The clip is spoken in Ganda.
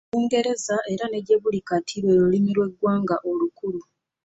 Olungereza era ne gyebuli kati lwe lulimi lw’eggwanga olukulu.